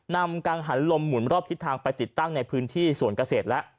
กังหันลมหมุนรอบทิศทางไปติดตั้งในพื้นที่สวนเกษตรแล้ว